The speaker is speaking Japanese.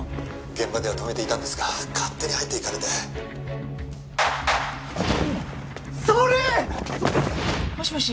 「現場では止めていたんですが勝手に入っていかれて」「」さおり！もしもし？